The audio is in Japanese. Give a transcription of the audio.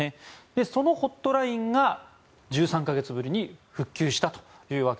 そのホットラインが１３か月ぶりに復旧したと。